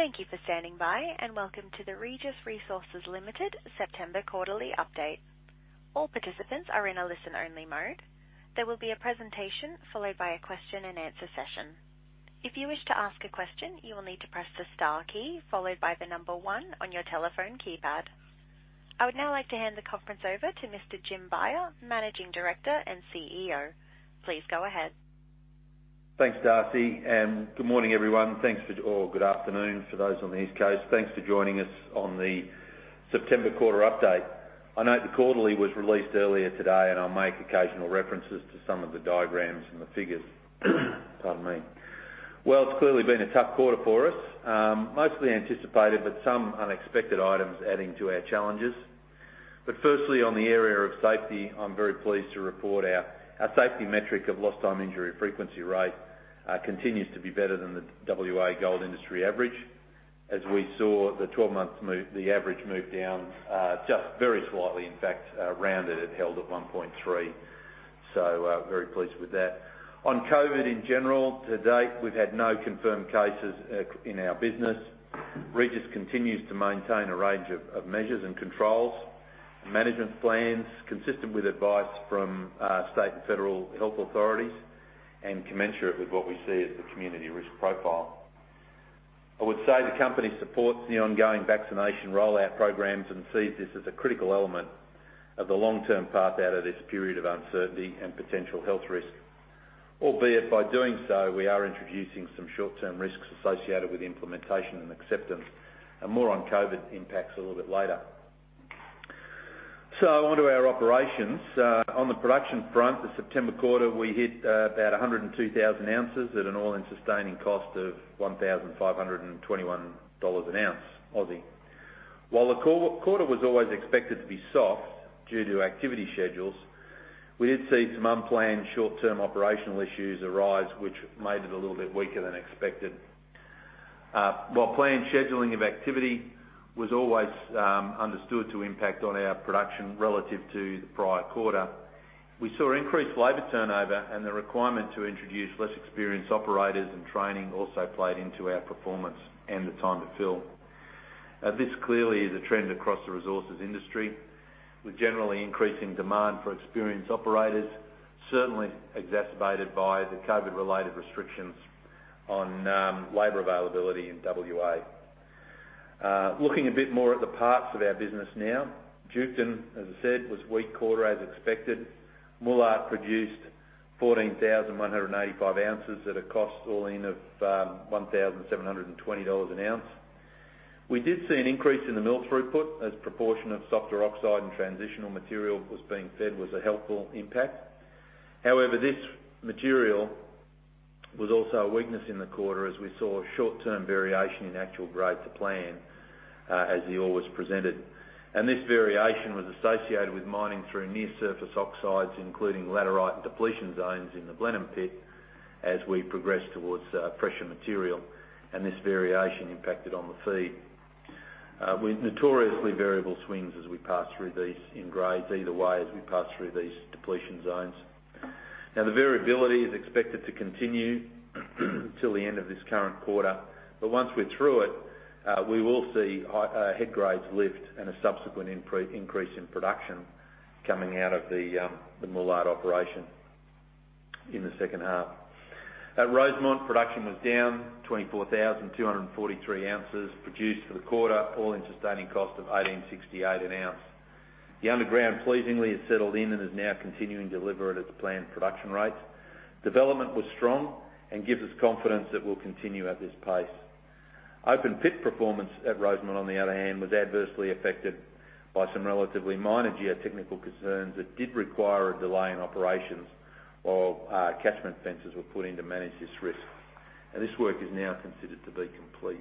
Thank you for standing by, and welcome to the Regis Resources Limited September quarterly update. All participants are in a listen-only mode. There will be a presentation followed by a question-and-answer session. If you wish to ask a question, you will need to press the star key followed by 1 on your telephone keypad. I would now like to hand the conference over to Mr. Jim Beyer, Managing Director and CEO. Please go ahead. Thanks, Darcy, and good morning, everyone. Or good afternoon for those on the East Coast. Thanks for joining us on the September quarter update. I know the quarterly was released earlier today, and I'll make occasional references to some of the diagrams and the figures. Pardon me. Well, it's clearly been a tough quarter for us, mostly anticipated, but some unexpected items adding to our challenges. Firstly, on the area of safety, I'm very pleased to report our safety metric of lost time injury frequency rate continues to be better than the WA gold industry average. As we saw the twelve-month average move down just very slightly, in fact, rounded, it held at 1.3. Very pleased with that. On COVID in general, to date, we've had no confirmed cases in our business. Regis continues to maintain a range of measures and controls, management plans consistent with advice from state and federal health authorities and commensurate with what we see as the community risk profile. I would say the company supports the ongoing vaccination rollout programs and sees this as a critical element of the long-term path out of this period of uncertainty and potential health risk. Albeit by doing so, we are introducing some short-term risks associated with implementation and acceptance. More on COVID impacts a little bit later. Onto our operations. On the production front, the September quarter, we hit about 102,000 ounces at an all-in sustaining cost of AUD 1,521 an ounce. While the quarter was always expected to be soft due to activity schedules, we did see some unplanned short-term operational issues arise, which made it a little bit weaker than expected. While planned scheduling of activity was always understood to impact on our production relative to the prior quarter, we saw increased labor turnover and the requirement to introduce less experienced operators and training also played into our performance and the time to fill. This clearly is a trend across the resources industry, with generally increasing demand for experienced operators, certainly exacerbated by the COVID-related restrictions on labor availability in WA. Looking a bit more at the parts of our business now. Duketon, as I said, was a weak quarter as expected. Moolart Well produced 14,185 ounces at an all-in cost of $1,720 an ounce. We did see an increase in the mill throughput as a proportion of softer oxide and transitional material was being fed, which was a helpful impact. However, this material was also a weakness in the quarter as we saw a short-term variation in actual grade to plan, as the ore was presented. This variation was associated with mining through near-surface oxides, including laterite and depletion zones in the Blenheim pit as we progress towards fresher material. This variation impacted on the feed. We've notoriously variable swings as we pass through these in grades, either way, as we pass through these depletion zones. The variability is expected to continue till the end of this current quarter. Once we're through it, we will see head grades lift and a subsequent increase in production coming out of the Moolart operation in the second half. At Garden Well, production was down 24,243 ounces produced for the quarter, all-in sustaining cost of 1,868 an ounce. The underground pleasingly has settled in and is now continuing to deliver at its planned production rates. Development was strong and gives us confidence that we'll continue at this pace. Open pit performance at Garden Well, on the other hand, was adversely affected by some relatively minor geotechnical concerns that did require a delay in operations while catchment fences were put in to manage this risk. This work is now considered to be complete.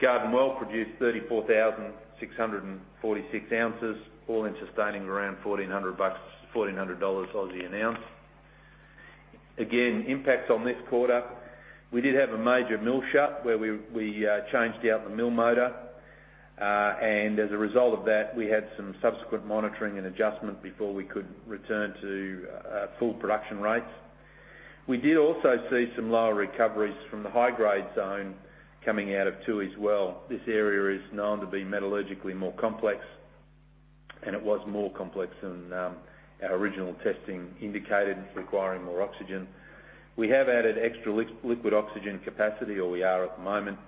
Garden Well produced 34,646 ounces, all-in sustaining around 1,400 bucks, 1,400 Aussie dollars an ounce. Again, impacts on this quarter. We did have a major mill shut where we changed out the mill motor. As a result of that, we had some subsequent monitoring and adjustment before we could return to full production rates. We did also see some lower recoveries from the high-grade zone coming out of Tooheys Well. This area is known to be metallurgically more complex, and it was more complex than our original testing indicated, requiring more oxygen. We have added extra liquid oxygen capacity, or we are at the moment.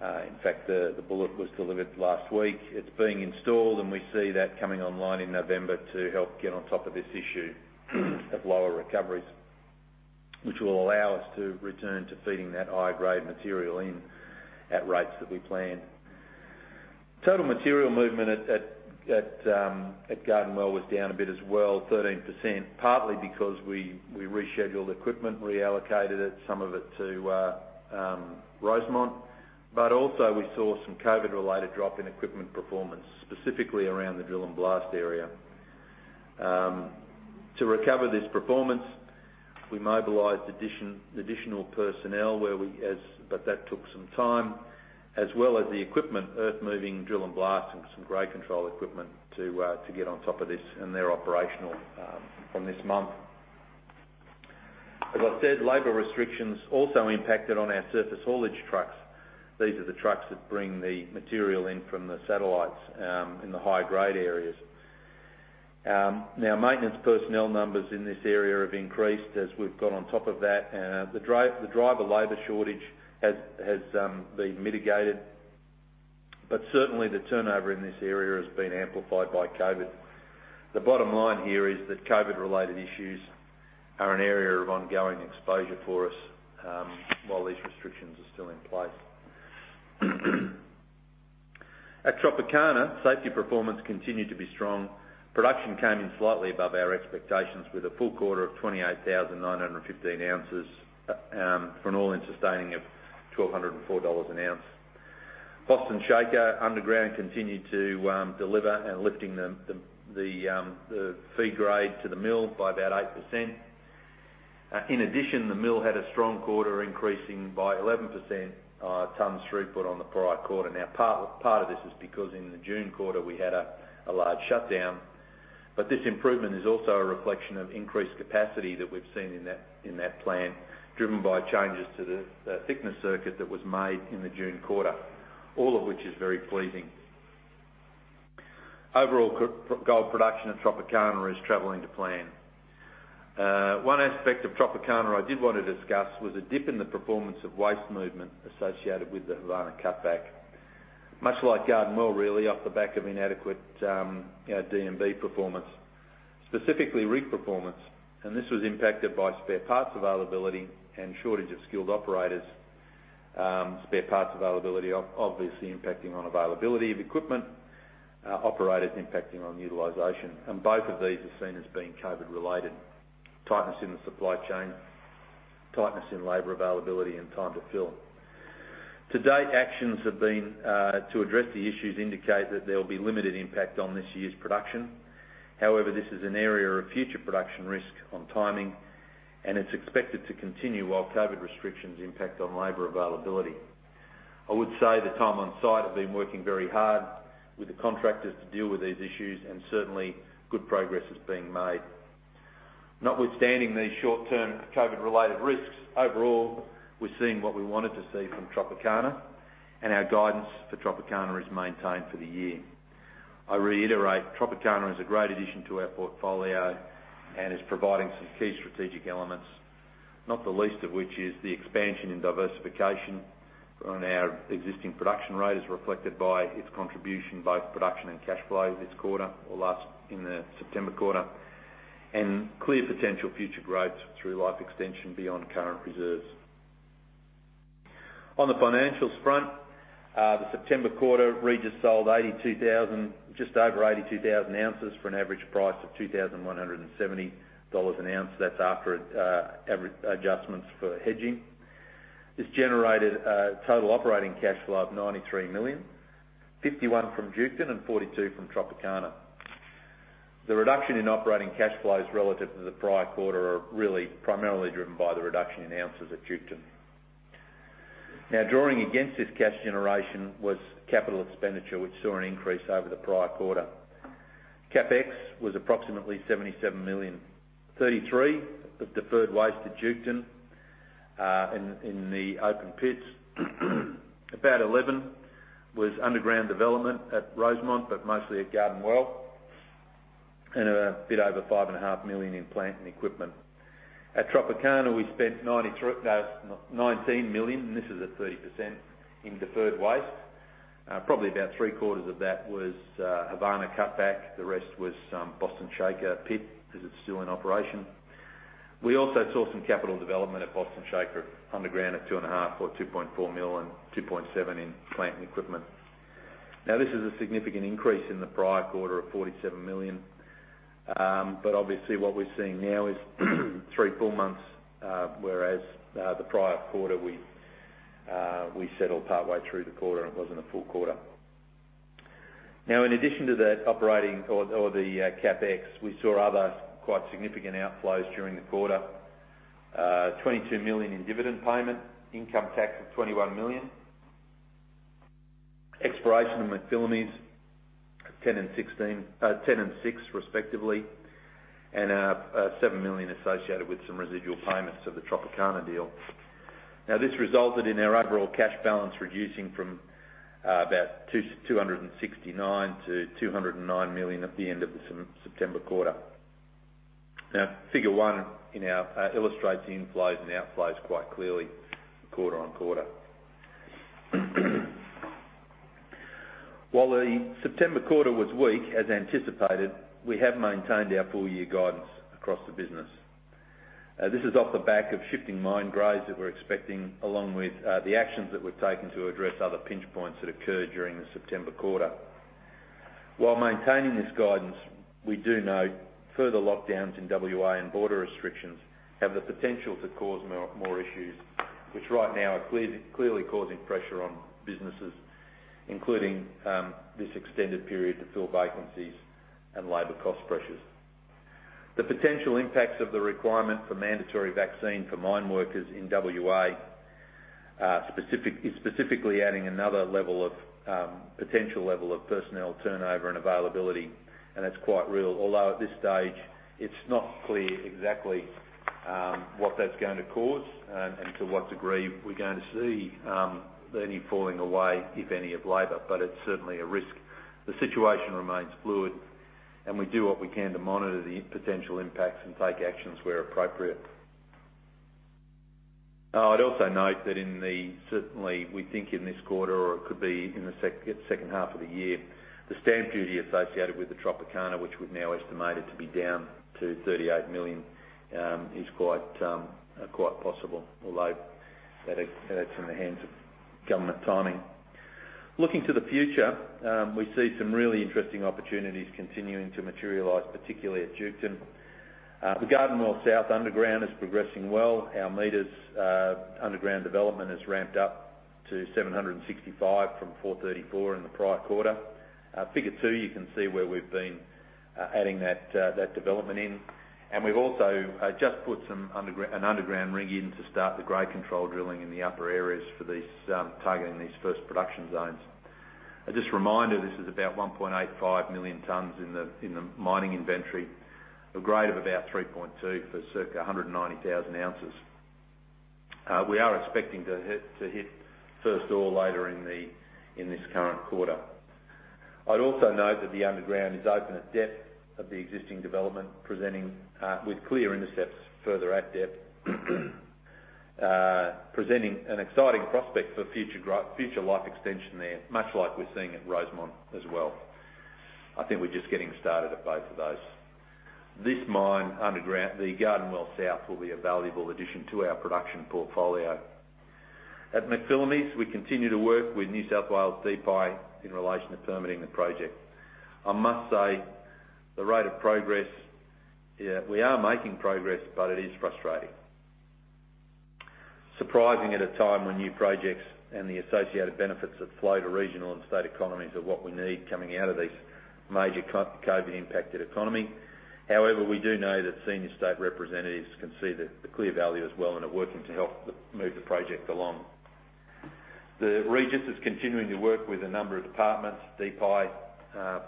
In fact, the blower was delivered last week. It's being installed, and we see that coming online in November to help get on top of this issue of lower recoveries, which will allow us to return to feeding that high-grade material in at rates that we planned. Total material movement at Garden Well was down a bit as well, 13%, partly because we rescheduled equipment, reallocated it, some of it to Rosemont. Also we saw some COVID-related drop in equipment performance, specifically around the drill and blast area. To recover this performance, we mobilized additional personnel, but that took some time, as well as the equipment, earthmoving, drill and blast, and some grade control equipment to get on top of this, and they're operational from this month. As I said, labor restrictions also impacted on our surface haulage trucks. These are the trucks that bring the material in from the satellites, in the high-grade areas. Now, maintenance personnel numbers in this area have increased as we've got on top of that. The driver labor shortage has been mitigated. Certainly, the turnover in this area has been amplified by COVID. The bottom line here is that COVID-related issues are an area of ongoing exposure for us, while these restrictions are still in place. At Tropicana, safety performance continued to be strong. Production came in slightly above our expectations with a full quarter of 28,915 ounces, for an all-in sustaining of $1,204 an ounce. Boston Shaker underground continued to deliver and lifting the feed grade to the mill by about 8%. In addition, the mill had a strong quarter increasing by 11% tons throughput on the prior quarter. Now, part of this is because in the June quarter, we had a large shutdown. This improvement is also a reflection of increased capacity that we've seen in that plant, driven by changes to the thickener circuit that was made in the June quarter. All of which is very pleasing. Overall gold production at Tropicana is traveling to plan. One aspect of Tropicana I did want to discuss was a dip in the performance of waste movement associated with the Havana cutback. Much like Garden Well really off the back of inadequate D&B performance, specifically rig performance. This was impacted by spare parts availability and shortage of skilled operators. Spare parts availability obviously impacting on availability of equipment. Operators impacting on utilization. Both of these are seen as being COVID-related. Tightness in the supply chain, tightness in labor availability, and time to fill. To date, actions have been to address the issues indicate that there will be limited impact on this year's production. However, this is an area of future production risk on timing, and it's expected to continue while COVID restrictions impact on labor availability. I would say the team on site have been working very hard with the contractors to deal with these issues, and certainly good progress is being made. Notwithstanding these short-term COVID-related risks, overall, we're seeing what we wanted to see from Tropicana, and our guidance for Tropicana is maintained for the year. I reiterate, Tropicana is a great addition to our portfolio and is providing some key strategic elements, not the least of which is the expansion and diversification on our existing production rate as reflected by its contribution, both production and cash flow this quarter or last, in the September quarter, and clear potential future growth through life extension beyond current reserves. On the financials front, the September quarter, Regis sold 82,000, just over 82,000 ounces for an average price of $2,170 an ounce. That's after adjustments for hedging. This generated total operating cash flow of 93 million, 51 million from Duketon and 42 million from Tropicana. The reduction in operating cash flows relative to the prior quarter are really primarily driven by the reduction in ounces at Duketon. Now, drawing against this cash generation was capital expenditure, which saw an increase over the prior quarter. CapEx was approximately 77 million, 33 million of deferred waste at Duketon in the open pits. About 11 million was underground development at Rosemont, but mostly at Garden Well. A bit over 5.5 million in plant and equipment. At Tropicana, we spent 19 million, this is at 30% in deferred waste. Probably about 3/4 of that was Havana cutback. The rest was Boston Shaker pit because it's still in operation. We also saw some capital development at Boston Shaker underground at 2.5 million or 2.4 million and 2.7 million in plant and equipment. Now, this is a significant increase in the prior quarter of 47 million. Obviously what we're seeing now is three full months, whereas the prior quarter we settled partway through the quarter and it wasn't a full quarter. In addition to that operating or the CapEx, we saw other quite significant outflows during the quarter. 22 million in dividend payment, income tax of 21 million. Exploration of McPhillamys, 10 and 16, 10 and 6 respectively, and 7 million associated with some residual payments of the Tropicana deal. This resulted in our overall cash balance reducing from about 269 million to 209 million at the end of the September quarter. Figure 1 in our illustrates the inflows and outflows quite clearly quarter-over-quarter. While the September quarter was weak as anticipated, we have maintained our full-year guidance across the business. This is off the back of shifting mine grades that we're expecting, along with the actions that we've taken to address other pinch points that occurred during the September quarter. While maintaining this guidance, we do know further lockdowns in WA and border restrictions have the potential to cause more issues, which right now are clearly causing pressure on businesses, including this extended period to fill vacancies and labor cost pressures. The potential impacts of the requirement for mandatory vaccine for mineworkers in WA specifically adding another level of potential level of personnel turnover and availability, and it's quite real. Although at this stage, it's not clear exactly what that's going to cause and to what degree we're going to see any falling away, if any, of labor. It's certainly a risk. The situation remains fluid, and we do what we can to monitor the potential impacts and take actions where appropriate. I'd also note that certainly, we think in this quarter, or it could be in the second half of the year, the stamp duty associated with the Tropicana, which we've now estimated to be down to 38 million, is quite possible, although that is in the hands of government timing. Looking to the future, we see some really interesting opportunities continuing to materialize, particularly at Duketon. The Garden Well South underground is progressing well. Our meterage underground development has ramped up to 765 from 434 in the prior quarter. Figure 2, you can see where we've been adding that development in. We've also just put an underground rig in to start the grade control drilling in the upper areas for these targeting these first production zones. Just a reminder, this is about 1.85 million tons in the mining inventory. A grade of about 3.2 for circa 190,000 ounces. We are expecting to hit first ore later in this current quarter. I'd also note that the underground is open at depth of the existing development, presenting with clear intercepts further at depth, presenting an exciting prospect for future life extension there, much like we're seeing at Rosemont as well. I think we're just getting started at both of those. This mine underground, the Garden Well South, will be a valuable addition to our production portfolio. At McPhillamys, we continue to work with New South Wales DPI in relation to permitting the project. I must say, the rate of progress, we are making progress, but it is frustrating, surprising at a time when new projects and the associated benefits that flow to regional and state economies are what we need coming out of this major post-COVID-impacted economy. However, we do know that senior state representatives can see the clear value as well and are working to help move the project along. Regis is continuing to work with a number of departments, DPI,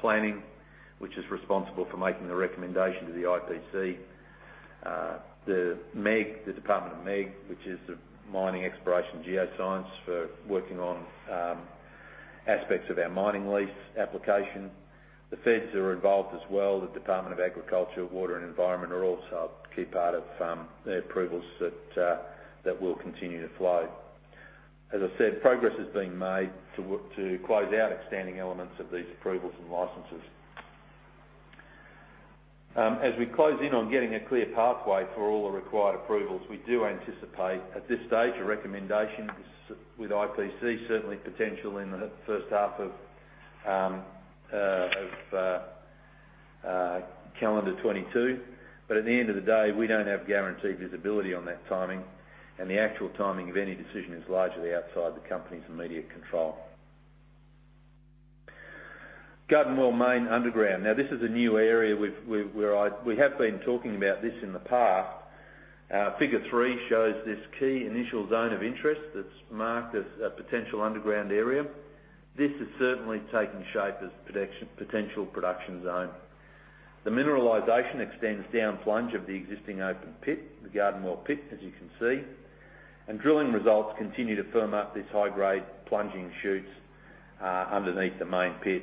planning, which is responsible for making the recommendation to the IPC. The MEG, the Department of MEG, which is the Mining Exploration Geoscience, for working on aspects of our mining lease application. The feds are involved as well. The Department of Agriculture, Water and the Environment are also a key part of the approvals that will continue to flow. As I said, progress is being made to close out outstanding elements of these approvals and licenses. As we close in on getting a clear pathway for all the required approvals, we do anticipate, at this stage, a recommendation with IPC, certainly potential in the first half of calendar 2022. But at the end of the day, we don't have guaranteed visibility on that timing, and the actual timing of any decision is largely outside the company's immediate control. Garden Well Main Underground. Now this is a new area we've been talking about in the past. Figure 3 shows this key initial zone of interest that's marked as a potential underground area. This is certainly taking shape as potential production zone. The mineralization extends down plunge of the existing open pit, the Garden Well pit, as you can see. Drilling results continue to firm up these high-grade plunging shoots underneath the main pit.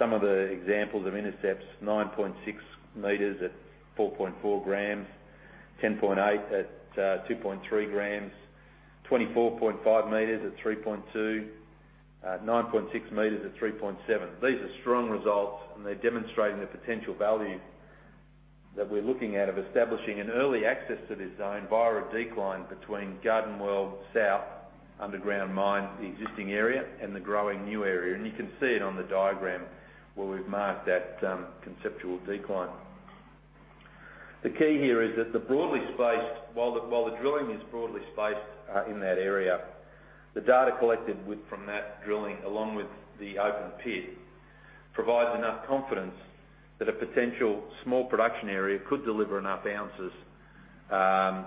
Some of the examples of intercepts, 9.6 m at 4.4 g, 10.8 at 2.3 g, 24.5 m at 3.2g, 9.6 m at 3.7g. These are strong results, and they're demonstrating the potential value that we're looking at of establishing an early access to this zone via a decline between Garden Well South underground mine, the existing area, and the growing new area. You can see it on the diagram where we've marked that conceptual decline. The key here is that while the drilling is broadly spaced in that area, the data collected from that drilling, along with the open pit, provides enough confidence that a potential small production area could deliver enough ounces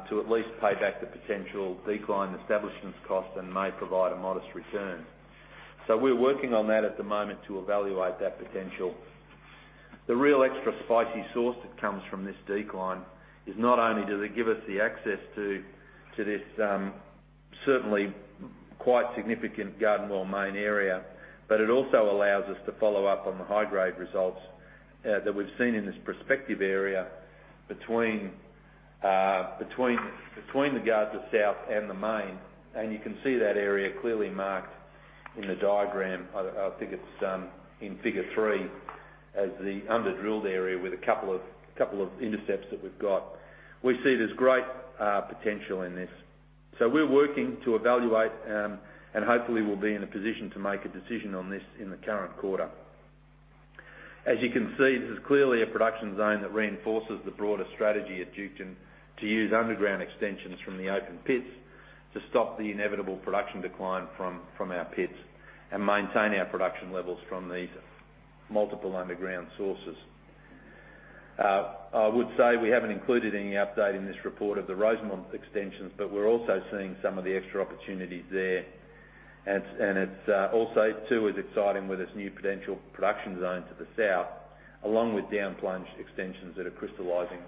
to at least pay back the potential decline establishment's cost and may provide a modest return. We're working on that at the moment to evaluate that potential. The real extra spicy sauce that comes from this decline is not only does it give us access to this certainly quite significant Garden Well Main area, but it also allows us to follow up on the high-grade results that we've seen in this prospective area between the Garden South and the Main. You can see that area clearly marked in the diagram. I think it's in Figure 3 as the under-drilled area with a couple of intercepts that we've got. We see there's great potential in this. We're working to evaluate and hopefully we'll be in a position to make a decision on this in the current quarter. As you can see, this is clearly a production zone that reinforces the broader strategy at Duketon to use underground extensions from the open pits to stop the inevitable production decline from our pits and maintain our production levels from these multiple underground sources. I would say we haven't included any update in this report of the Rosemont extensions, but we're also seeing some of the extra opportunities there. It's also too is exciting with its new potential production zone to the south, along with down plunge extensions that are crystallizing.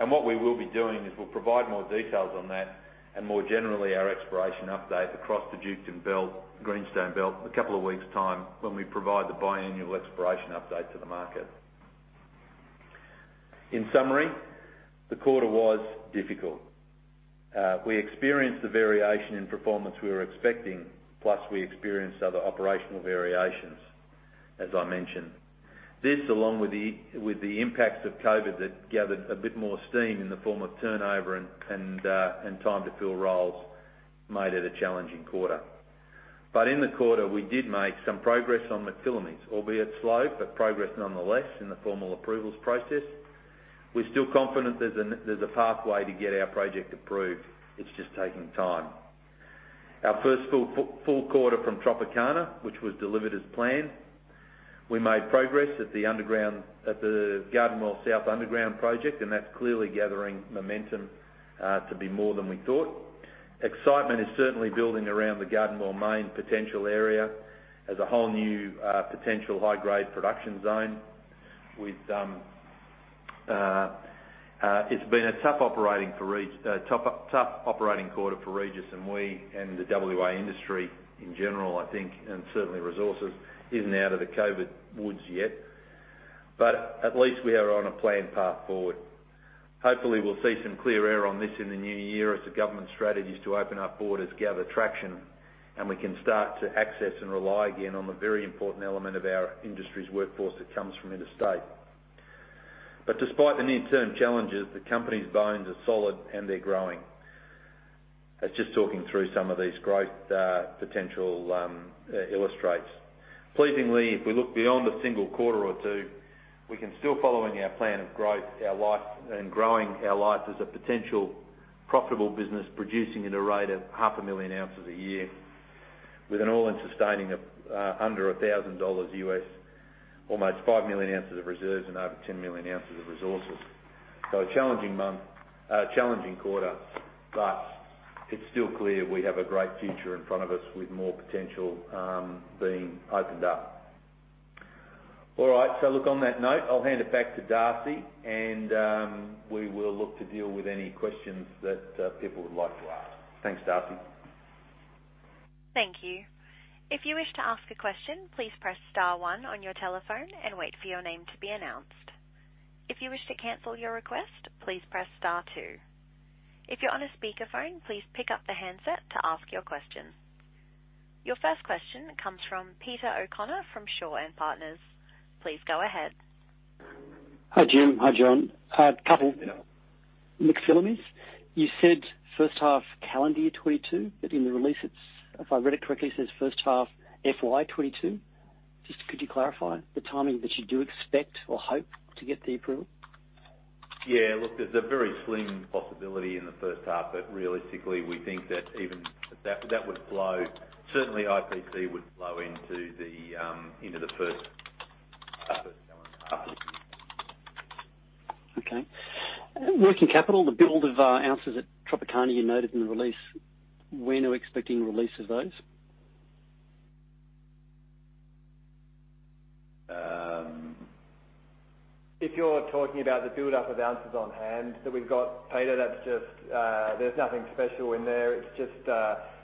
What we will be doing is we'll provide more details on that, and more generally, our exploration update across the Duketon belt, Greenstone belt, a couple of weeks' time when we provide the biannual exploration update to the market. In summary, the quarter was difficult. We experienced the variation in performance we were expecting, plus we experienced other operational variations, as I mentioned. This, along with the impacts of COVID that gathered a bit more steam in the form of turnover and time to fill roles, made it a challenging quarter. In the quarter, we did make some progress on McPhillamys, albeit slow, but progress nonetheless in the formal approvals process. We're still confident there's a pathway to get our project approved. It's just taking time. Our first full quarter from Tropicana, which was delivered as planned. We made progress at the Garden Well South Underground Project, and that's clearly gathering momentum to be more than we thought. Excitement is certainly building around the Garden Well Main potential area as a whole new potential high-grade production zone. It's been a tough operating quarter for Regis, and the WA industry in general, I think, and certainly Regis Resources isn't out of the COVID woods yet. At least we are on a planned path forward. Hopefully, we'll see some clear air on this in the new year as the government strategies to open up borders gather traction, and we can start to access and rely again on the very important element of our industry's workforce that comes from interstate. Despite the near-term challenges, the company's bones are solid, and they're growing. As I was just talking through some of these growth potential, it illustrates. Pleasingly, if we look beyond a single quarter or two, we can still follow in our plan of growth, our mine life, and growing our mine life as a potentially profitable business, producing at a rate of 500,000 ounces a year with an all-in sustaining cost of under $1,000, almost 5 million ounces of reserves and over 10 million ounces of resources. A challenging month, a challenging quarter, but it's still clear we have a great future in front of us with more potential being opened up. All right, look, on that note, I'll hand it back to Darcy, and we will look to deal with any questions that people would like to ask. Thanks, Darcy. Thank you. If your wish to ask a question please press star one on your telephone and wait for your name to be announced. If you wish to cancel your request please press star two. Your first question comes from Peter O'Connor from Shaw and Partners. Please go ahead. Hi, Jim. Hi, John. A couple. Yeah. McPhillamys, you said first half calendar year 2022, but in the release, if I read it correctly, it says first half FY 2022. Just could you clarify the timing that you do expect or hope to get the approval? Yeah, look, there's a very slim possibility in the first half, but realistically, we think that even that would flow. Certainly, IPC would flow into the first calendar half. Okay. Working capital, the build of ounces at Tropicana you noted in the release. When are we expecting release of those? If you're talking about the buildup of ounces on hand that we've got, Peter, that's just, you know, there's nothing special in there. It's just,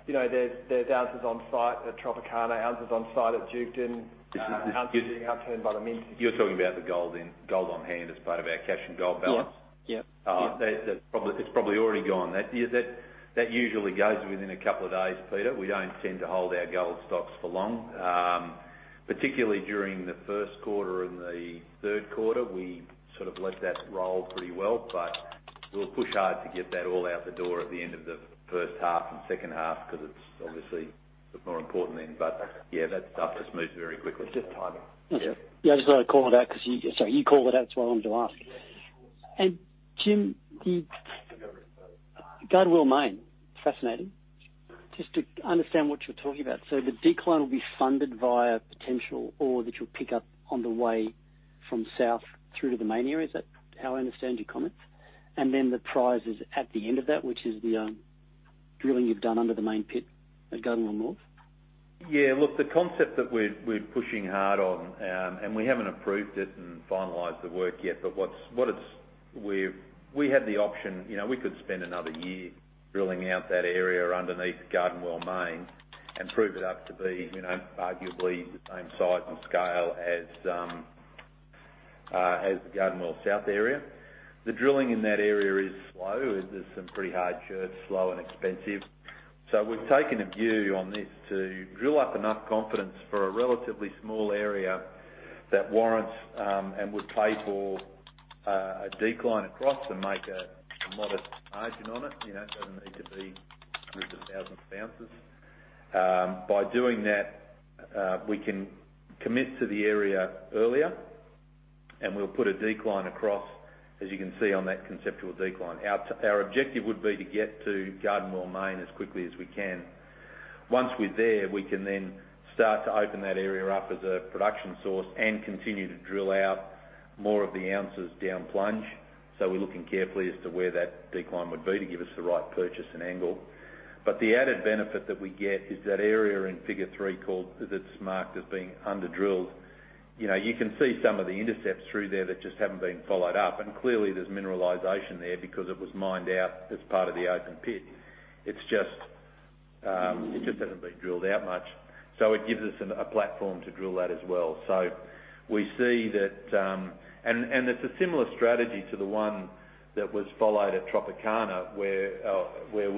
you know, there's ounces on site at Tropicana, ounces on site at Duketon- Just, just- Ounces being output by the mine. You're talking about the gold on hand as part of our cash and gold balance? Yeah. Yeah. That's probably already gone. Yeah, that usually goes within a couple of days, Peter. We don't tend to hold our gold stocks for long. Particularly during the first quarter and the third quarter, we sort of let that roll pretty well, but we'll push hard to get that all out the door at the end of the first half and second half because it's obviously more important then. Yeah, that stuff just moves very quickly. Just timing. Yeah. Yeah, I just thought I'd call it out 'cause you called it out, that's why I wanted to ask. Jim, the Garden Well Main, fascinating. Just to understand what you're talking about. The decline will be funded via potential ore that you'll pick up on the way from south through to the main area. Is that how I understand your comments? Then the prize is at the end of that, which is the drilling you've done under the main pit at Garden Well North? Yeah. Look, the concept that we're pushing hard on, and we haven't approved it and finalized the work yet, but what it is. We had the option. You know, we could spend another year drilling out that area underneath Garden Well Main and prove it up to be, you know, arguably the same size and scale as the Garden Well South area. The drilling in that area is slow. There's some pretty hard schists, slow and expensive. We've taken a view on this to drill up enough confidence for a relatively small area that warrants and would pay for a decline across and make a modest margin on it. You know, it doesn't need to be hundreds of thousands of ounces. By doing that, we can commit to the area earlier, and we'll put a decline across, as you can see on that conceptual decline. Our objective would be to get to Garden Well Main as quickly as we can. Once we're there, we can then start to open that area up as a production source and continue to drill out more of the ounces down plunge. We're looking carefully as to where that decline would be to give us the right pitch and angle. The added benefit that we get is that area in Figure 3 called, that's marked as being under-drilled. You know, you can see some of the intercepts through there that just haven't been followed up. Clearly, there's mineralization there because it was mined out as part of the open pit. It just hasn't been drilled out much. It gives us a platform to drill that as well. We see that. It's a similar strategy to the one that was followed at Tropicana, where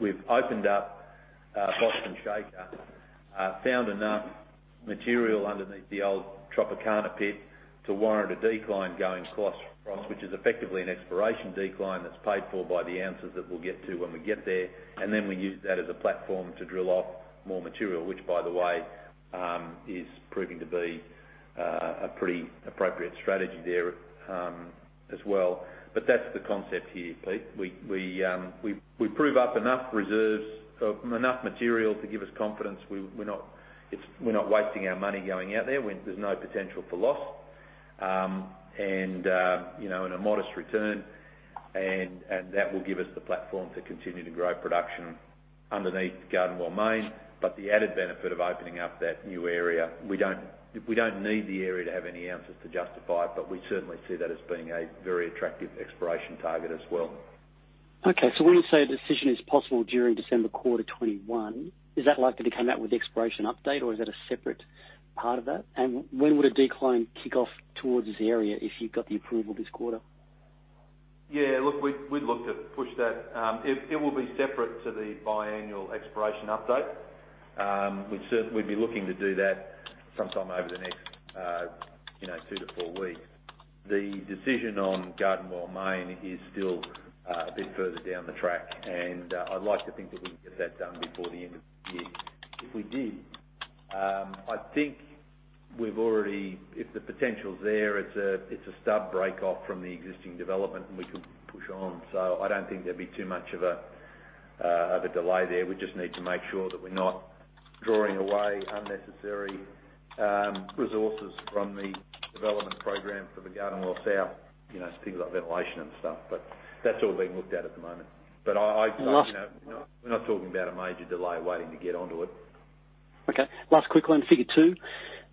we've opened up Boston Shaker. Found enough material underneath the old Tropicana pit to warrant a decline going cross, which is effectively an exploration decline that's paid for by the ounces that we'll get to when we get there. Then we use that as a platform to drill off more material, which, by the way, is proving to be a pretty appropriate strategy there, as well. That's the concept here, Pete. We prove up enough reserves, enough material to give us confidence we're not wasting our money going out there. There's no potential for loss. You know, in a modest return, and that will give us the platform to continue to grow production underneath Garden Well Main. The added benefit of opening up that new area, we don't need the area to have any ounces to justify it, but we certainly see that as being a very attractive exploration target as well. Okay. When you say a decision is possible during December quarter 2021, is that likely to come out with the exploration update, or is it a separate part of that? And when would a decline kick off towards this area if you got the approval this quarter? Yeah. Look, we'd look to push that. It will be separate to the biannual exploration update. We'd be looking to do that sometime over the next, you know, 2-4 weeks. The decision on Garden Well Main is still a bit further down the track. I'd like to think that we can get that done before the end of the year. If we did, I think we've already. If the potential's there, it's a stub break off from the existing development, and we can push on. I don't think there'd be too much of a delay there. We just need to make sure that we're not drawing away unnecessary resources from the development program for the Garden Well South, you know, things like ventilation and stuff. That's all being looked at at the moment. Last- You know, we're not talking about a major delay waiting to get onto it. Okay. Last quick one. Figure 2,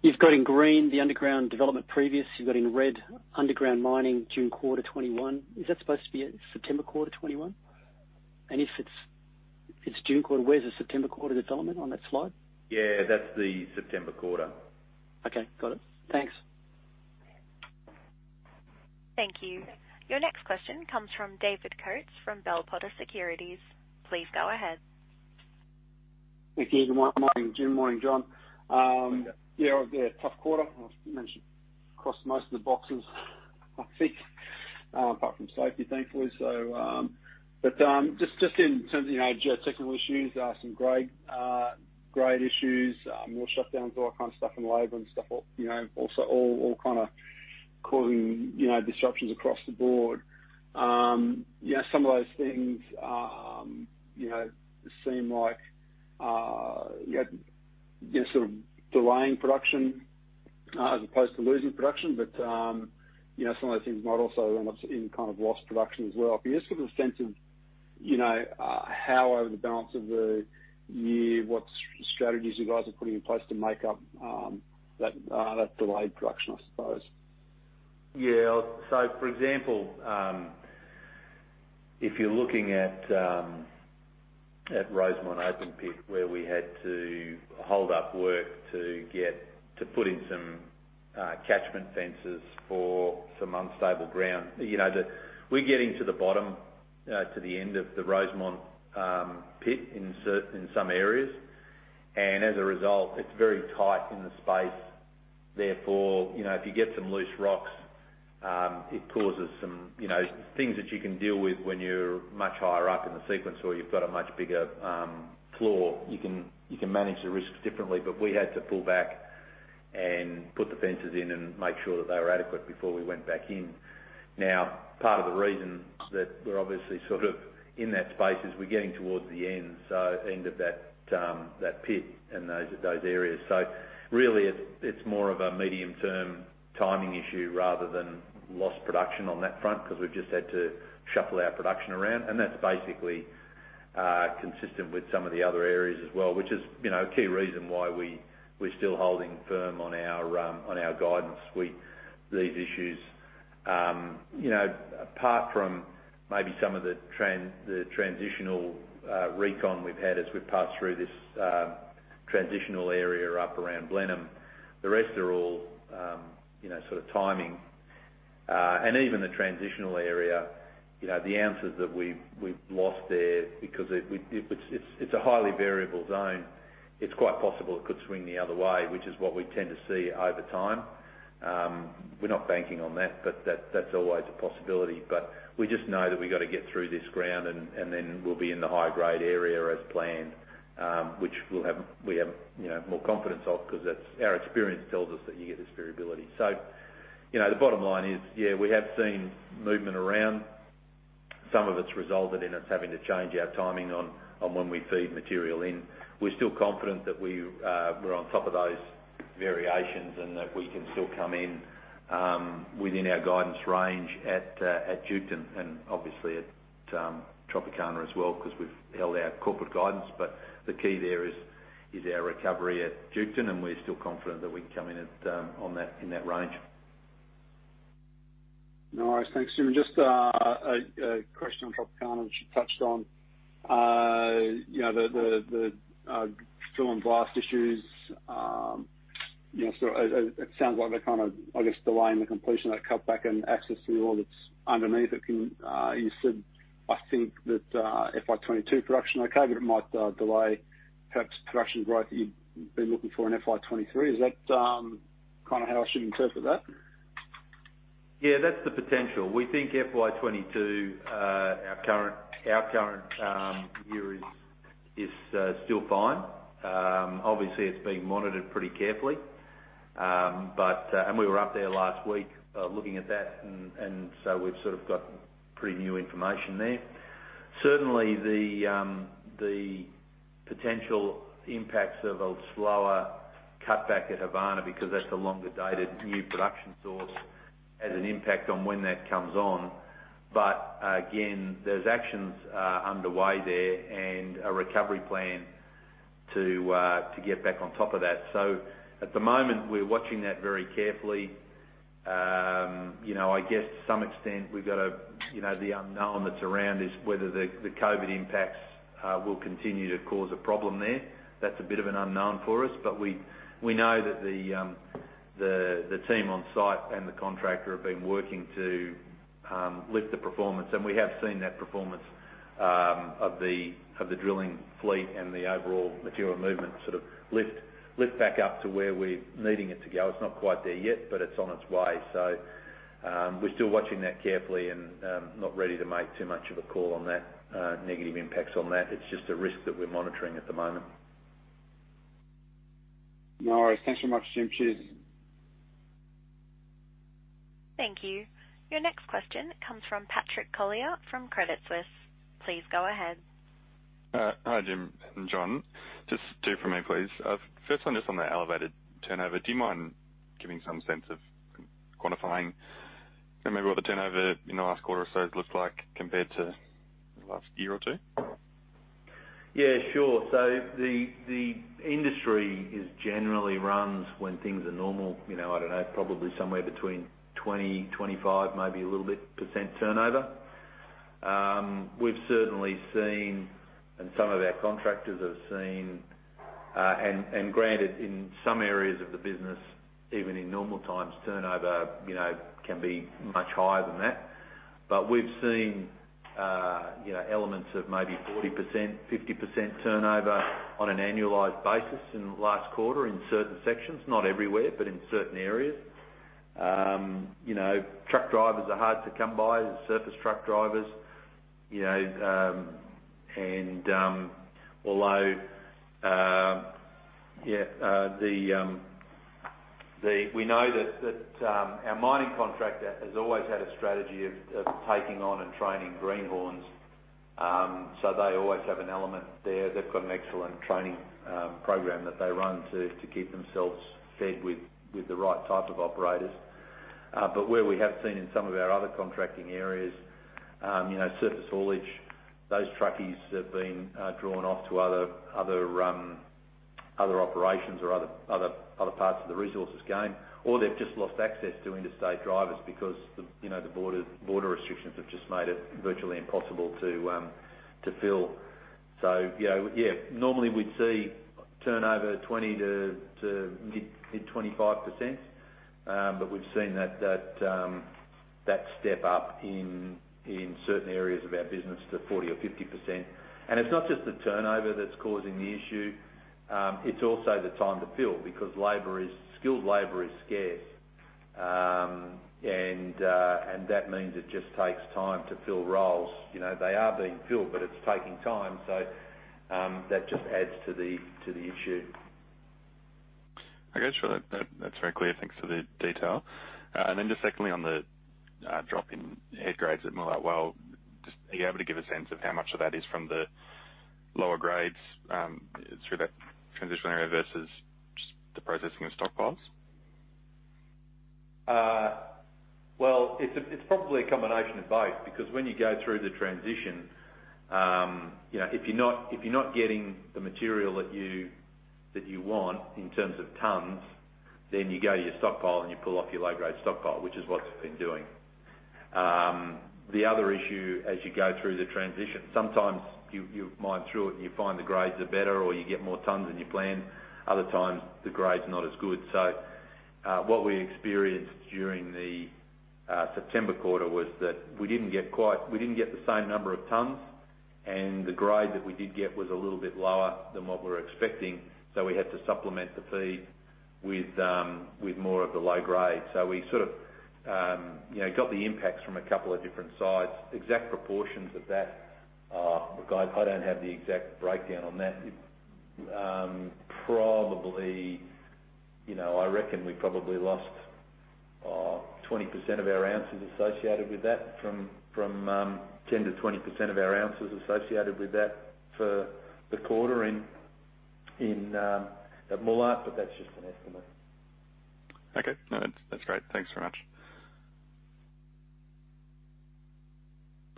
you've got in green the underground development previous. You've got in red underground mining June quarter 2021. Is that supposed to be September quarter 2021? If it's June quarter, where's the September quarter development on that slide? Yeah, that's the September quarter. Okay. Got it. Thanks. Thank you. Your next question comes from David Coates from Bell Potter Securities. Please go ahead. Thank you. Good morning, Jim. Morning, John. Morning. Yeah, tough quarter. We've ticked most of the boxes I think, apart from safety, thankfully. Just in terms of, you know, geotechnical issues, some grade issues, more shutdowns, all that kind of stuff, and labor and stuff, you know, also all kinda causing, you know, disruptions across the board. You know, some of those things, you know, seem like, you know, they're sort of delaying production as opposed to losing production. Some of those things might also end up in kind of lost production as well. Can you just give a sense of, you know, how over the balance of the year, what strategies you guys are putting in place to make up, that delayed production, I suppose? Yeah. For example, if you're looking at Rosemont open pit, where we had to hold up work to get to putting some catchment fences for some unstable ground. You know, we're getting to the bottom to the end of the Rosemont pit in certain areas. As a result, it's very tight in the space. Therefore, you know, if you get some loose rocks, it causes some, you know, things that you can deal with when you're much higher up in the sequence or you've got a much bigger floor, you can manage the risks differently. We had to pull back and put the fences in and make sure that they were adequate before we went back in. Now, part of the reason that we're obviously sort of in that space is we're getting towards the end, so end of that pit and those areas. It's more of a medium-term timing issue rather than lost production on that front because we've just had to shuffle our production around. That's basically consistent with some of the other areas as well, which is, you know, a key reason why we're still holding firm on our guidance. These issues, you know, apart from maybe some of the transitional recon we've had as we passed through this transitional area up around Blenheim, the rest are all, you know, sort of timing. Even the transitional area, you know, the ounces that we've lost there because it was... It's a highly variable zone. It's quite possible it could swing the other way, which is what we tend to see over time. We're not banking on that, but that's always a possibility. We just know that we gotta get through this ground, and then we'll be in the high-grade area as planned, which we have, you know, more confidence of because our experience tells us that you get this variability. You know, the bottom line is, yeah, we have seen movement around. Some of it's resulted in us having to change our timing on when we feed material in. We're still confident that we're on top of those variations, and that we can still come in within our guidance range at Duketon and obviously at Tropicana as well, because we've held our corporate guidance. The key there is our recovery at Duketon, and we're still confident that we can come in on that in that range. No worries. Thanks, Jim. Just a question on Tropicana which you touched on. You know, the drill and blast issues, you know, so it sounds like they're kind of, I guess, delaying the completion of that cutback and access to the ore that's underneath it. You said, I think, that FY 2022 production okay, but it might delay perhaps production growth that you'd been looking for in FY 2023. Is that kinda how I should interpret that? Yeah, that's the potential. We think FY 2022, our current year is still fine. Obviously it's being monitored pretty carefully. We were up there last week looking at that and so we've sort of got pretty new information there. Certainly the potential impacts of a slower cutback at Havana, because that's a longer dated new production source, has an impact on when that comes on. But again, there's actions underway there and a recovery plan to get back on top of that. So at the moment we're watching that very carefully. You know, I guess to some extent we've got a you know, the unknown that's around is whether the COVID impacts will continue to cause a problem there. That's a bit of an unknown for us. We know that the team on site and the contractor have been working to lift the performance. We have seen that performance of the drilling fleet and the overall material movement sort of lift back up to where we're needing it to go. It's not quite there yet, but it's on its way. We're still watching that carefully and not ready to make too much of a call on that negative impacts on that. It's just a risk that we're monitoring at the moment. No worries. Thanks so much, Jim. Cheers. Thank you. Your next question comes from Patrick Collier from Credit Suisse. Please go ahead. Hi, Jim and John. Just two from me, please. First one just on the elevated turnover. Do you mind giving some sense of quantifying maybe what the turnover in the last quarter or so has looked like compared to the last year or two? Yeah, sure. The industry generally runs when things are normal, you know, I don't know, probably somewhere between 20%-25%, maybe a little bit percent turnover. We've certainly seen, and some of our contractors have seen, and granted in some areas of the business, even in normal times, turnover, you know, can be much higher than that. We've seen, you know, elements of maybe 40%-50% turnover on an annualized basis in the last quarter in certain sections, not everywhere, but in certain areas. You know, truck drivers are hard to come by, the surface truck drivers, you know, and although, yeah, we know that our mining contractor has always had a strategy of taking on and training greenhorns. They always have an element there. They've got an excellent training program that they run to keep themselves fed with the right type of operators. Where we have seen in some of our other contracting areas, you know, surface haulage, those truckies have been drawn off to other operations or other parts of the resources game, or they've just lost access to interstate drivers because you know, the border restrictions have just made it virtually impossible to fill. You know, yeah, normally we'd see turnover 20 to mid-25%. We've seen that step up in certain areas of our business to 40 or 50%. It's not just the turnover that's causing the issue, it's also the time to fill because skilled labor is scarce. That means it just takes time to fill roles. You know, they are being filled, but it's taking time. That just adds to the issue. Okay, sure. That's very clear. Thanks for the detail. Just secondly, on the drop in head grades at Moolart Well, just are you able to give a sense of how much of that is from the lower grades through that transitional versus just the processing of stockpiles? Well, it's probably a combination of both because when you go through the transition, you know, if you're not getting the material that you want in terms of tons, then you go to your stockpile and you pull off your low-grade stockpile, which is what we've been doing. The other issue as you go through the transition, sometimes you mine through it and you find the grades are better or you get more tons than you planned. Other times the grade's not as good. What we experienced during the September quarter was that we didn't get the same number of tons, and the grade that we did get was a little bit lower than what we were expecting, so we had to supplement the feed with more of the low grade. We sort of, you know, got the impacts from a couple of different sides. Exact proportions of that, look, I don't have the exact breakdown on that. Probably, you know, I reckon we probably lost 10%-20% of our ounces associated with that for the quarter at Moolart, but that's just an estimate. Okay. No, that's great. Thanks very much.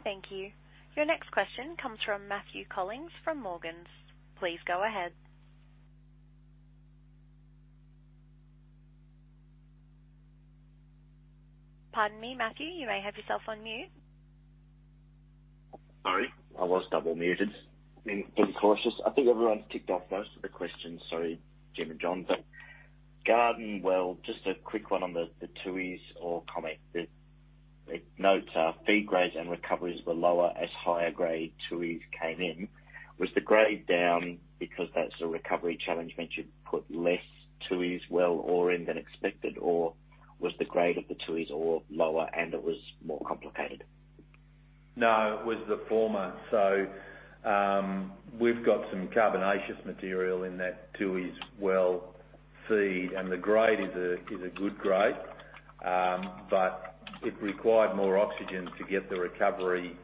Thank you. Your next question comes from Mat Collings from Morgans. Please go ahead. Pardon me, Matthew, you may have yourself on mute. Sorry, I was double muted. Being cautious. I think everyone's ticked off most of the questions, so Jim and John. Garden Well, just a quick one on the Tooheys ore comment. It notes feed grades and recoveries were lower as higher grade Tooheys came in. Was the grade down because that's a recovery challenge, meant you put less Tooheys Well ore in than expected? Or was the grade of the Tooheys ore lower, and it was more complicated? No, it was the former. We've got some carbonaceous material in that Tooheys Well feed, and the grade is a good grade. But it required more oxygen to get the recoveries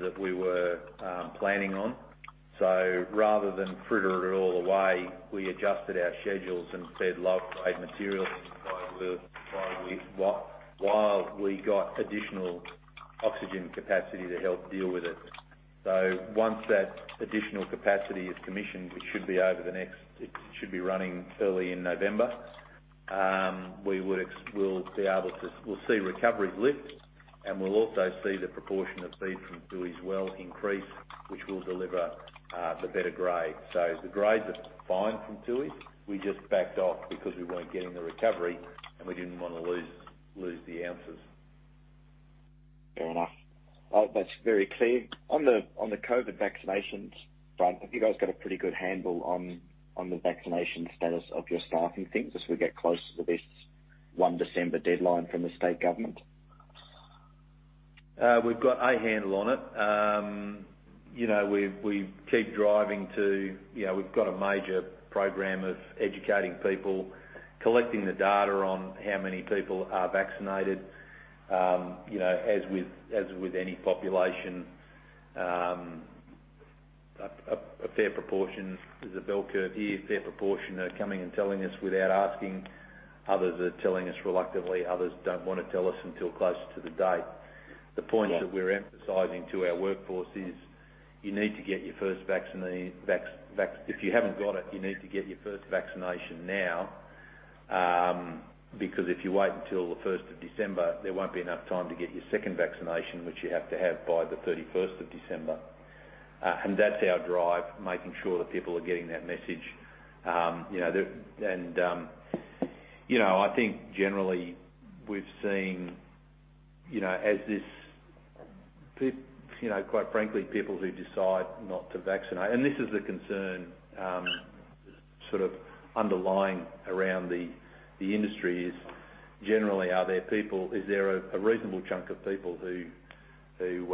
that we were planning on. Rather than fritter it all away, we adjusted our schedules and fed low-grade material in while we got additional oxygen capacity to help deal with it. Once that additional capacity is commissioned, it should be running early in November. We'll see recoveries lift, and we'll also see the proportion of feed from Tooheys Well increase, which will deliver the better grade. The grades are fine from Tooheys. We just backed off because we weren't getting the recovery, and we didn't wanna lose the ounces. Fair enough. That's very clear. On the COVID vaccinations, Dan, have you guys got a pretty good handle on the vaccination status of your staff and things as we get close to this 1 December deadline from the state government? We've got a handle on it. You know, we've got a major program of educating people, collecting the data on how many people are vaccinated. You know, as with any population, a fair proportion is a bell curve here. Fair proportion are coming and telling us without asking. Others are telling us reluctantly. Others don't wanna tell us until closer to the date. Yeah. The point that we're emphasizing to our workforce is you need to get your first vaccine. If you haven't got it, you need to get your first vaccination now. Because if you wait until the first of December, there won't be enough time to get your second vaccination, which you have to have by the 31st of December. That's our drive, making sure that people are getting that message. You know, I think generally we've seen, you know, people, you know, quite frankly, people who decide not to vaccinate. This is the concern, sort of underlying around the industry. Is there generally a reasonable chunk of people who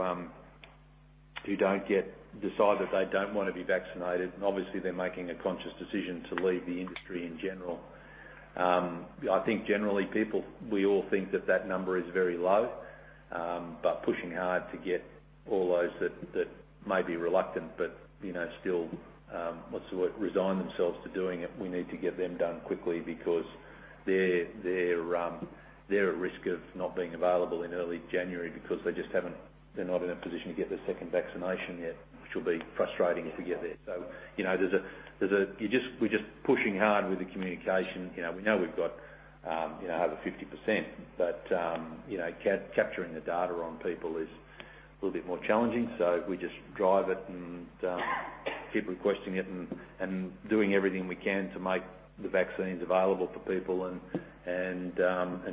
decide that they don't wanna be vaccinated? Obviously they're making a conscious decision to leave the industry in general. I think generally people, we all think that number is very low, but pushing hard to get all those that may be reluctant, but you know, still, what's the word, resign themselves to doing it. We need to get them done quickly because they're at risk of not being available in early January because they just haven't. They're not in a position to get the second vaccination yet, which will be frustrating if we get there. You know, there's a. We're just pushing hard with the communication. You know, we know we've got, you know, over 50%, but, you know, capturing the data on people is a little bit more challenging. We just drive it and keep requesting it and